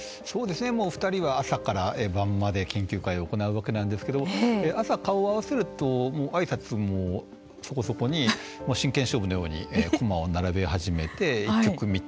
２人は朝から晩まで研究会を行うわけなんですけど朝、顔を合わせるとあいさつもそこそこに真剣勝負のように駒を並べ始めて１局みっちりと指す。